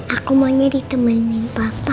aku mau jadi temenin papa